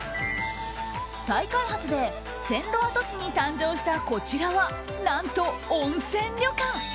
再開発で路線跡地に誕生したこちらは、何と温泉旅館。